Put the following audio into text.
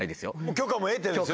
許可も得てるんですよね。